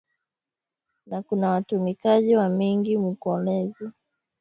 Na kuna watumikaji wa mingi mu kolwezi